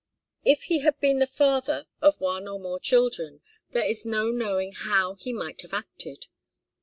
If he had been the father of one or more children, there is no knowing how he might have acted.